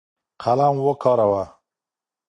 قلم وکاروه.